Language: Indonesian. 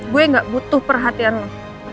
gue gak butuh perhatian lo